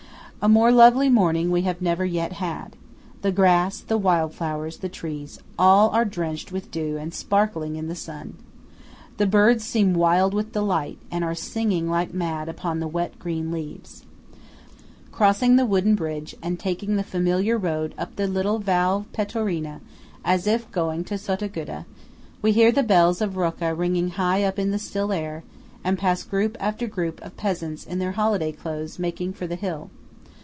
A more lovely morning we have never yet had. The grass, the wild flowers, the trees, are all drenched with dew and sparkling in the sun. The birds seem wild with delight, and are singing like mad up among the wet green leaves. Crossing the wooden bridge and taking the familiar road up the little Val Pettorina, as if going to Sottaguda, we hear the bells of Rocca ringing high up in the still air, and pass group after group of peasants in their holiday clothes, making for the hill.